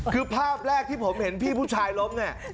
คือภาพแรกที่ผมเห็นพี่ผู้ชายล้มเนี่ย